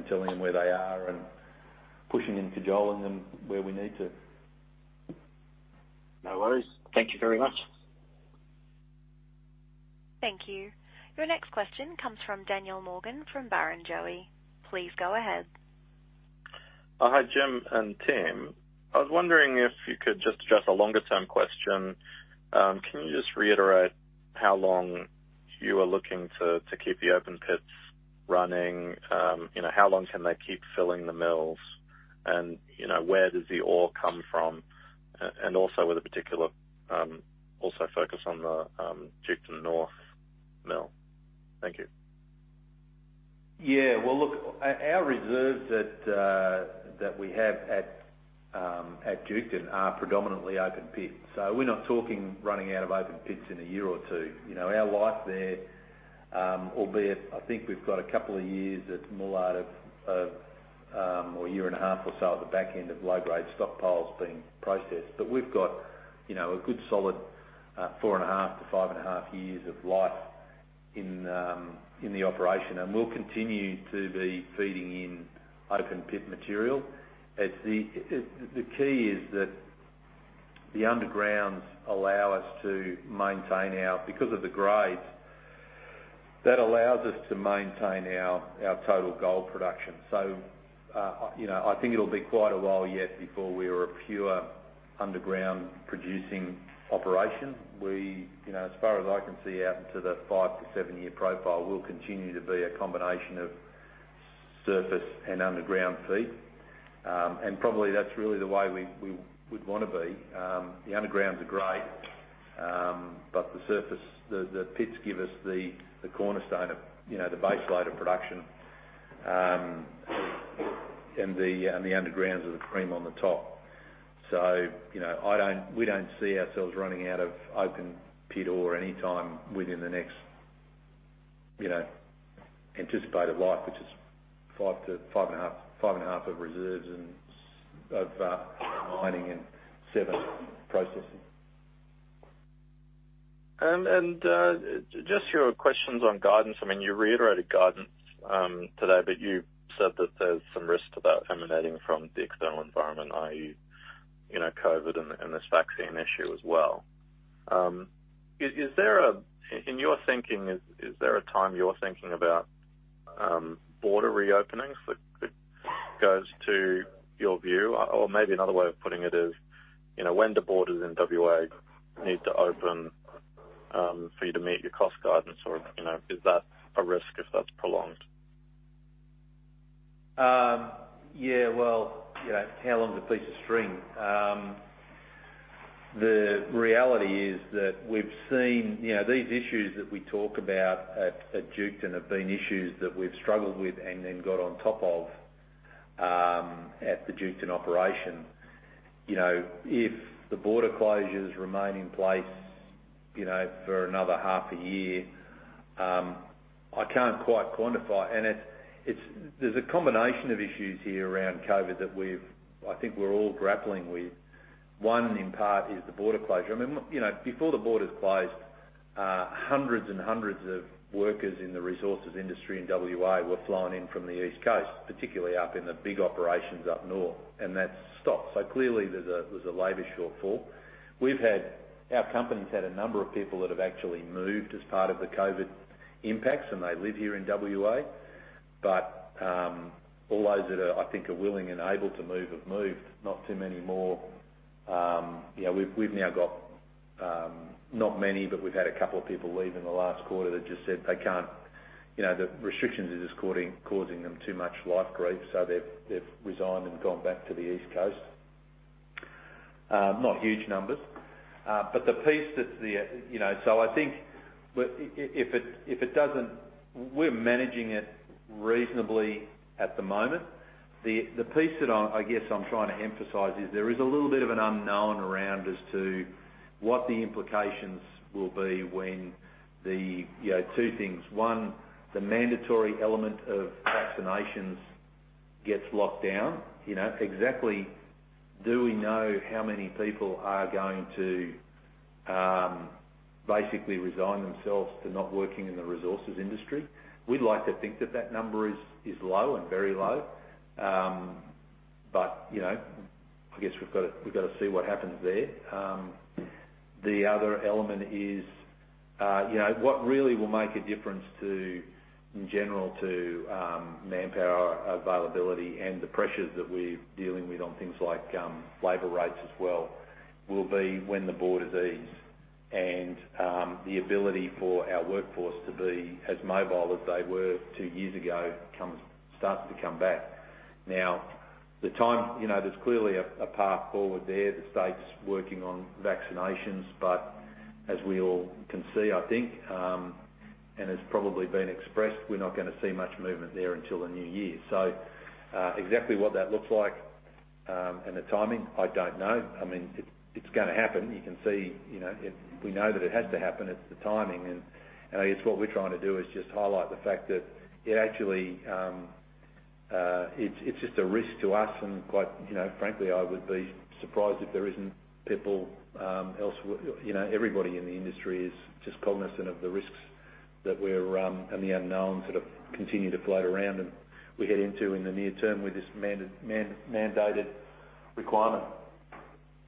telling them where they are and pushing and cajoling them where we need to. No worries. Thank you very much. Thank you. Your next question comes from Daniel Morgan from Barrenjoey. Please go ahead. Hi, Jim and team. I was wondering if you could just address a longer term question. Can you just reiterate how long you are looking to keep the open pits running? You know, how long can they keep filling the mills? You know, where does the ore come from? Also with a particular focus on the Duketon North mill. Thank you. Well, look, our reserves that we have at Duketon are predominantly open pits. We're not talking about running out of open pits in a year or two. You know, our life there, albeit I think we've got a couple of years at Moolart or a year and a half or so at the back end of low-grade stockpiles being processed. We've got, you know, a good solid 4.5-5.5 years of life in the operation. We'll continue to be feeding in open pit material. The key is that the undergrounds allow us to maintain our total gold production because of the grades. You know, I think it'll be quite a while yet before we are a pure underground producing operation. We, you know, as far as I can see out into the five- to seven-year profile, we'll continue to be a combination of surface and underground feed. And probably that's really the way we would wanna be. The undergrounds are great, but the surface, the pits give us the cornerstone of, you know, the base load of production. And the undergrounds are the cream on the top. You know, we don't see ourselves running out of open pit ore anytime within the next, you know, anticipated life, which is five- to 5.5 years of reserves and seven years of mining and processing. Just your questions on guidance. I mean, you reiterated guidance today, but you said that there's some risks to that emanating from the external environment, i.e., you know, COVID and this vaccine issue as well. In your thinking, is there a time you're thinking about border reopenings that goes to your view? Or maybe another way of putting it is, you know, when do borders in WA need to open for you to meet your cost guidance? Or, you know, is that a risk if that's prolonged? Yeah, well, you know, how long's a piece of string? The reality is that we've seen you know, these issues that we talk about at Duketon have been issues that we've struggled with and then got on top of at the Duketon operation. You know, if the border closures remain in place, you know, for another half a year, I can't quite quantify. There's a combination of issues here around COVID that we've, I think we're all grappling with. One, in part, is the border closure. I mean, you know, before the borders closed, hundreds and hundreds of workers in the resources industry in WA were flown in from the East Coast, particularly up in the big operations up north, and that's stopped. Clearly there's a labor shortfall. We've had our company's had a number of people that have actually moved as part of the COVID impacts, and they live here in WA. All those that are, I think, are willing and able to move have moved, not too many more. You know, we've now got not many, but we've had a couple of people leave in the last quarter that just said they can't, you know, the restrictions are just causing them too much life grief, so they've resigned and gone back to the East Coast. Not huge numbers. But the piece that's the, you know. I think if it doesn't, we're managing it reasonably at the moment. The piece that I guess I'm trying to emphasize is there is a little bit of an unknown around as to what the implications will be when the two things. One, the mandatory element of vaccinations gets locked down. You know, exactly do we know how many people are going to basically resign themselves to not working in the resources industry? We'd like to think that that number is low and very low. But you know, I guess we've gotta see what happens there. The other element is, you know, what really will make a difference to, in general, manpower availability and the pressures that we're dealing with on things like labor rates as well, will be when the borders ease and the ability for our workforce to be as mobile as they were two years ago starts to come back. Now, the time, you know, there's clearly a path forward there. The state's working on vaccinations, but as we all can see, I think, and has probably been expressed, we're not gonna see much movement there until the new year. Exactly what that looks like and the timing, I don't know. I mean, it's gonna happen. You can see, you know, it, we know that it has to happen. It's the timing. I guess what we're trying to do is just highlight the fact that it actually, it's just a risk to us and quite, you know, frankly, I would be surprised if there isn't people, you know, everybody in the industry is just cognizant of the risks that we're and the unknowns that have continued to float around, and we head into in the near term with this mandated requirement.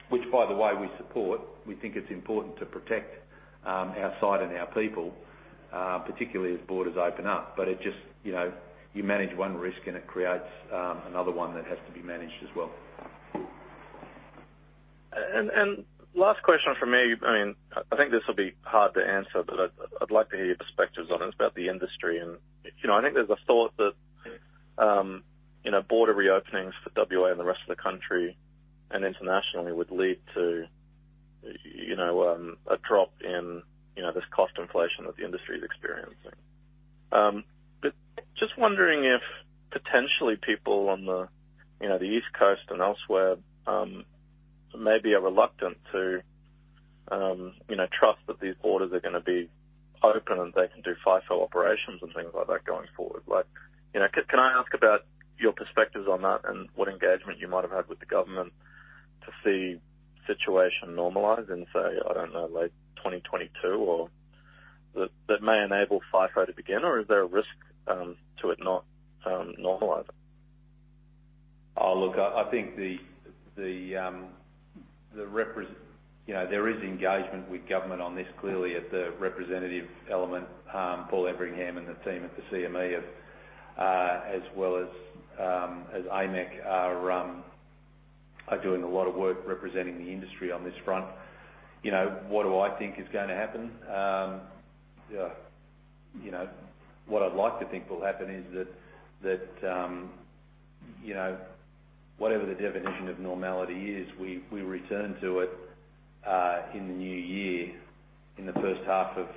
Which by the way we support. We think it's important to protect our site and our people, particularly as borders open up. It just, you know, you manage one risk, and it creates another one that has to be managed as well. Last question from me. I mean, I think this will be hard to answer, but I'd like to hear your perspectives on it. It's about the industry and, you know, I think there's a thought that border reopenings for WA and the rest of the country and internationally would lead to, you know, a drop in this cost inflation that the industry is experiencing. But just wondering if potentially people on the, you know, the East Coast and elsewhere maybe are reluctant to, you know, trust that these borders are gonna be open and they can do FIFO operations and things like that going forward. Like, you know, can I ask about your perspectives on that and what engagement you might have had with the government to see situation normalize in, say, I don't know, late 2022 or that may enable FIFO to begin, or is there a risk to it not normalize? I think, you know, there is engagement with government on this clearly at the representative element. Paul Everingham and the team at the CME have, as well as AMEC, are doing a lot of work representing the industry on this front. You know, what do I think is gonna happen? You know, what I'd like to think will happen is that, you know, whatever the definition of normality is, we return to it in the new year, in the first half of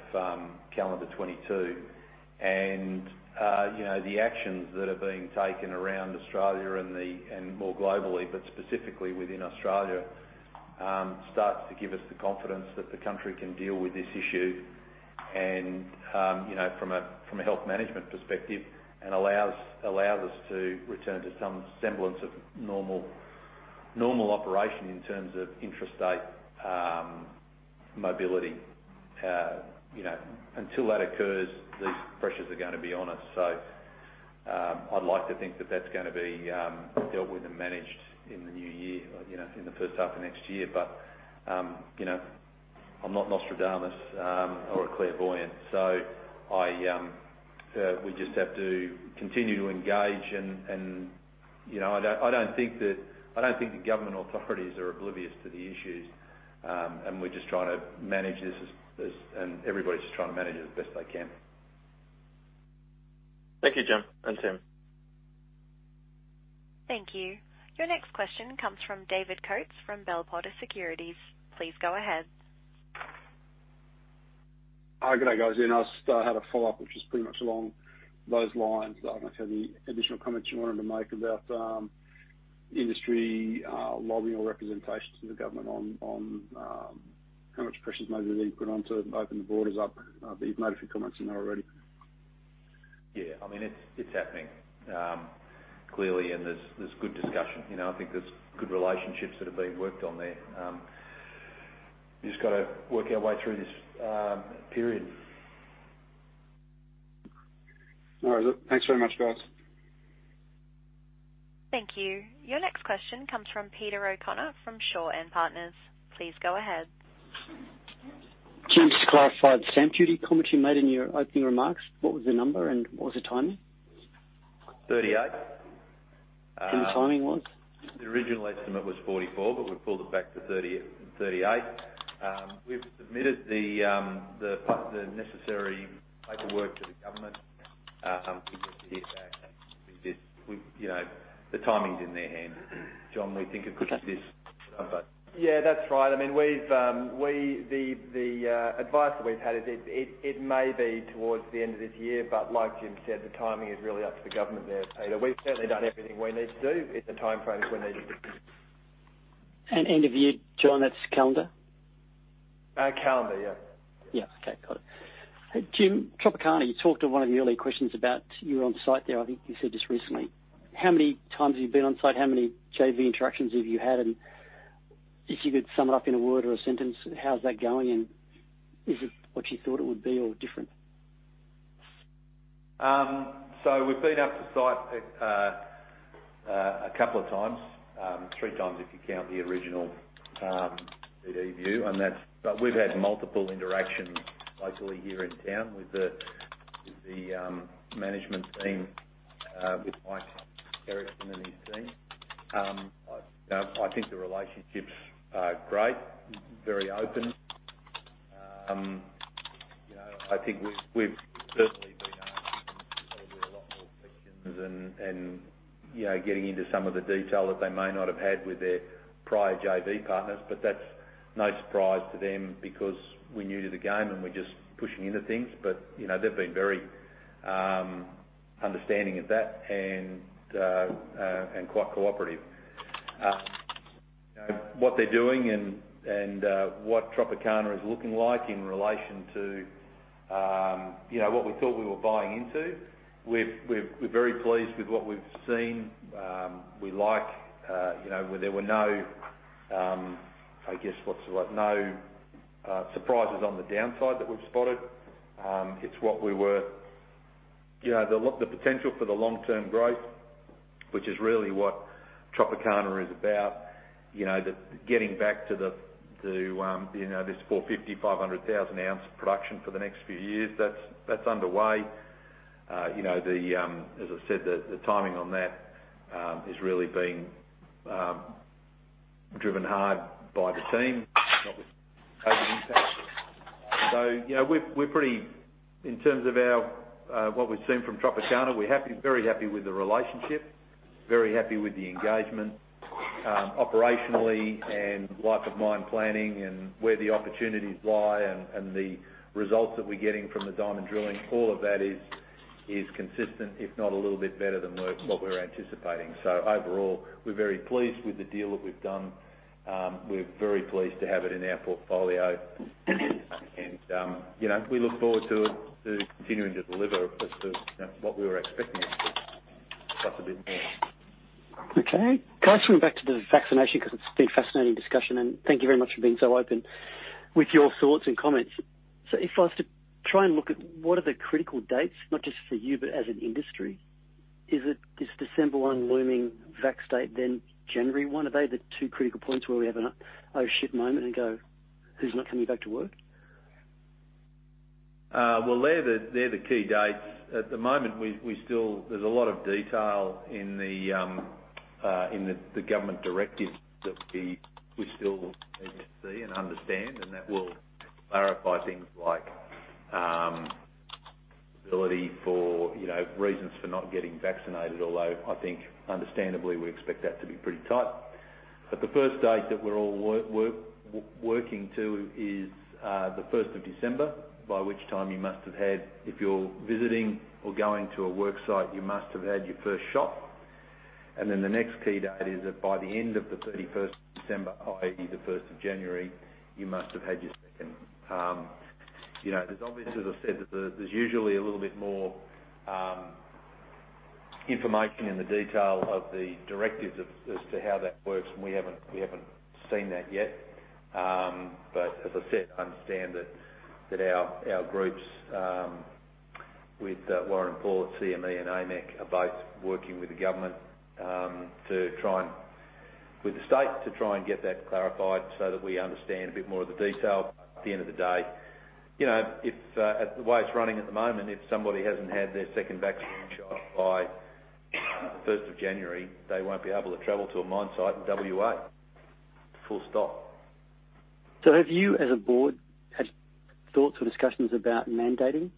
calendar 2022. You know, the actions that are being taken around Australia and more globally, but specifically within Australia, starts to give us the confidence that the country can deal with this issue. You know, from a health management perspective and allows us to return to some semblance of normal operation in terms of intrastate mobility. You know, until that occurs, these pressures are gonna be on us. I'd like to think that that's gonna be dealt with and managed in the new year, you know, in the first half of next year. I'm not Nostradamus or a clairvoyant, so we just have to continue to engage. I don't think the government authorities are oblivious to the issues. We're just trying to manage this and everybody's just trying to manage it as best they can. Thank you, Jim and team. Thank you. Your next question comes from David Coates from Bell Potter Securities. Please go ahead. Hi. Good day, guys. Yeah, I just had a follow-up, which was pretty much along those lines. I don't know if you have any additional comments you wanted to make about industry lobbying or representations to the government on how much pressures maybe they put on to open the borders up. You've made a few comments on that already. Yeah. I mean, it's happening, clearly, and there's good discussion. You know, I think there's good relationships that are being worked on there. We just gotta work our way through this, period. All right. Look, thanks very much, guys. Thank you. Your next question comes from Peter O'Connor from Shaw and Partners. Please go ahead. Can you just clarify the stamp duty comment you made in your opening remarks? What was the number, and what was the timing? 38. The timing was? The original estimate was 44, but we pulled it back to 30-38. We've submitted the necessary paperwork to the government. We've yet to hear back. We, you know, the timing's in their hands. Jon, we think it could be this number. Yeah, that's right. I mean, the advice that we've had is that it may be towards the end of this year, but like Jim said, the timing is really up to the government there, Peter. We've certainly done everything we need to do in the timeframe that we needed it. End of year, Jon, that's calendar? Calendar, yeah. Yeah. Okay. Got it. Jim, Tropicana, you talked on one of the early questions about you were on site there, I think you said just recently. How many times have you been on site? How many JV interactions have you had? And if you could sum it up in a word or a sentence, how's that going? And is it what you thought it would be or different? We've been up to site a couple of times. Three times if you count the original DD view. We've had multiple interactions locally here in town with the management team, with Michael Holmes and his team. You know, I think the relationships are great, very open. You know, I think we've certainly been asking probably a lot more questions and, you know, getting into some of the detail that they may not have had with their prior JV partners. That's no surprise to them because we're new to the game and we're just pushing into things. You know, they've been very understanding of that and quite cooperative. You know, what they're doing and what Tropicana is looking like in relation to, you know, what we thought we were buying into, we're very pleased with what we've seen. We like, you know, where there were no, I guess what's the word, no surprises on the downside that we've spotted. It's the potential for the long-term growth, which is really what Tropicana is about. You know, the getting back to this 450-500,000 ounce production for the next few years, that's underway. You know, as I said, the timing on that is really being driven hard by the team. Obviously COVID impact. You know, we're pretty. In terms of what we've seen from Tropicana, we're happy, very happy with the relationship, very happy with the engagement, operationally and life of mine planning and where the opportunities lie and the results that we're getting from the diamond drilling. All of that is consistent, if not a little bit better than what we're anticipating. So overall, we're very pleased with the deal that we've done. We're very pleased to have it in our portfolio. You know, we look forward to continuing to deliver as to, you know, what we were expecting, plus a bit more. Okay. Can I swing back to the vaccination because it's been a fascinating discussion, and thank you very much for being so open with your thoughts and comments. If I was to try and look at what are the critical dates, not just for you, but as an industry, is it this December one looming vax date then January one? Are they the two critical points where we have an, oh, shit moment and go, "Who's not coming back to work? Well, they're the key dates. There's a lot of detail in the government directives that we still need to see and understand, and that will clarify things like ability for, you know, reasons for not getting vaccinated. Although, I think understandably we expect that to be pretty tight. The first date that we're all working to is the first of December, by which time, if you're visiting or going to a work site, you must have had your first shot. The next key date is that by the end of the thirty-first of December, i.e., the first of January, you must have had your second. You know, there's obviously, as I said, there's usually a little bit more information in the detail of the directives as to how that works, and we haven't seen that yet. As I said, I understand that our groups with Paul Everingham at CME and AMEC are both working with the government, with the state to try and get that clarified so that we understand a bit more of the detail. At the end of the day, you know, if the way it's running at the moment, if somebody hasn't had their second vaccination shot by the first of January, they won't be able to travel to a mine site in WA. Full stop. Have you, as a board, had thoughts or discussions about mandating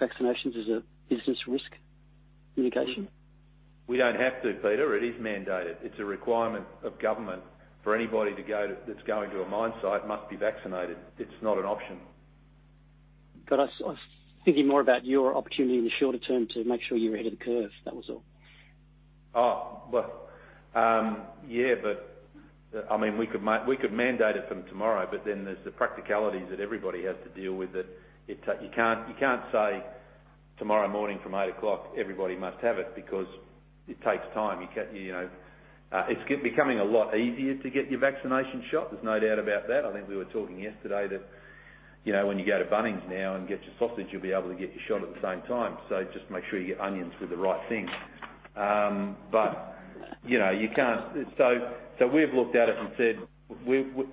vaccinations as a business risk mitigation? We don't have to, Peter. It is mandated. It's a requirement of government for anybody that's going to a mine site must be vaccinated. It's not an option. I was thinking more about your opportunity in the shorter term to make sure you're ahead of the curve. That was all. We could mandate it from tomorrow, but then there's the practicalities that everybody has to deal with it. You can't say, "Tomorrow morning from 8:00 A.M., everybody must have it," because it takes time. You know, it's becoming a lot easier to get your vaccination shot. There's no doubt about that. I think we were talking yesterday that, you know, when you go to Bunnings now and get your sausage, you'll be able to get your shot at the same time. Just make sure you get onions with the right thing. You know, you can't. We've looked at it and said,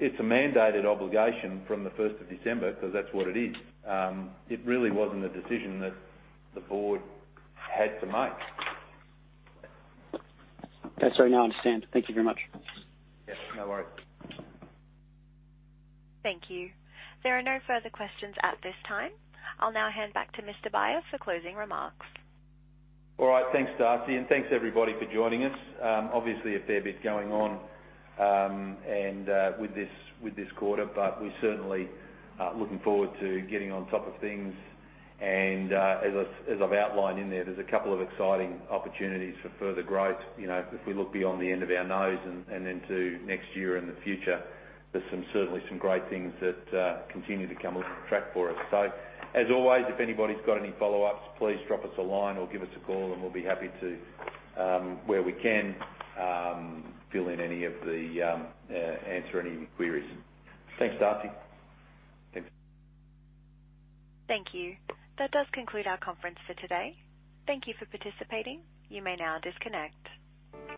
it's a mandated obligation from the first of December, because that's what it is. It really wasn't a decision that the board had to make. That's all right. Now I understand. Thank you very much. Yeah, no worries. Thank you. There are no further questions at this time. I'll now hand back to Mr. Beyer for closing remarks. All right. Thanks, Darcy. Thanks, everybody, for joining us. Obviously a fair bit going on, and with this quarter, but we're certainly looking forward to getting on top of things. As I've outlined in there's a couple of exciting opportunities for further growth. You know, if we look beyond the end of our nose and into next year and the future, there's certainly some great things that continue to come on track for us. As always, if anybody's got any follow-ups, please drop us a line or give us a call and we'll be happy to, where we can, answer any queries. Thanks, Darcy. Thank you. That does conclude our conference for today. Thank you for participating. You may now disconnect.